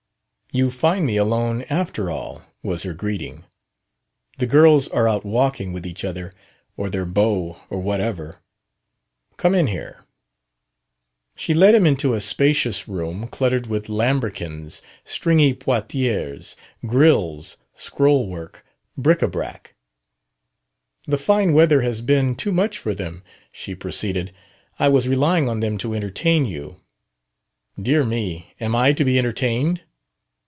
"You find me alone, after all," was her greeting. "The girls are out walking with each other, or their beaux, or whatever. Come in here." She led him into a spacious room cluttered with lambrequins, stringy portieres, grilles, scroll work, bric a brac.... "The fine weather has been too much for them," she proceeded. "I was relying on them to entertain you." "Dear me! Am I to be entertained?"